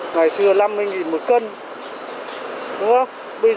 ngày xưa năm mươi đồng một cân đúng không